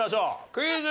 クイズ。